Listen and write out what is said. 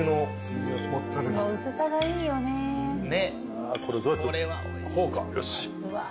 さあこれどうやってこうかよし。